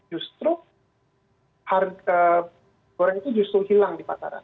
justru harga goreng itu justru hilang di pasaran